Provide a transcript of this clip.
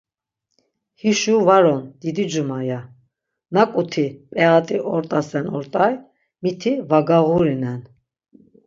Hişo var on, didicuma, ya; naǩuti p̌eat̆i ort̆asen ort̆ay, miti va gağurinen.